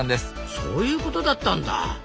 そういうことだったんだ！